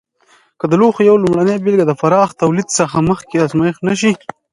که د لوښو یوه لومړنۍ بېلګه د پراخ تولید څخه مخکې ازمېښت نه شي.